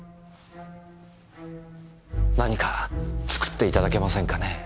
何か作っていただけませんかねぇ？